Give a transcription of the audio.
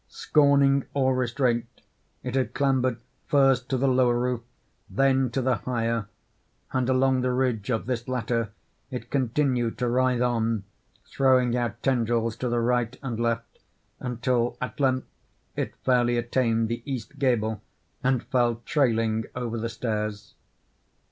Scorning all restraint, it had clambered first to the lower roof—then to the higher; and along the ridge of this latter it continued to writhe on, throwing out tendrils to the right and left, until at length it fairly attained the east gable, and fell trailing over the stairs.